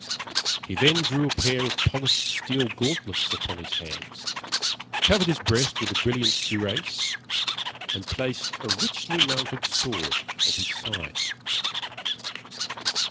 He then drew a pair of polished steel gauntlets upon his hands, covered his breast with a brilliant cuirass, and placed a richly mounted sword at his side.